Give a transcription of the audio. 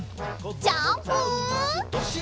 ジャンプ！